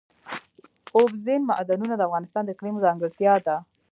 اوبزین معدنونه د افغانستان د اقلیم ځانګړتیا ده.